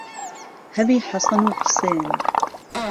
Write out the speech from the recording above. هەوی حەسن و حوسێن